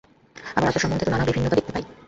আবার আচার সম্বন্ধে তো নানা বিভিন্নতা দেখিতে পাই।